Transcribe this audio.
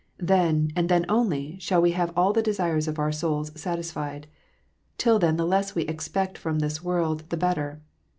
Then, and then only, shall we have all the desires of our souls satisfied. Till then the less we expect from this world the better.